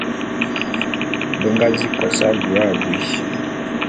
Be nga di kos abui abui.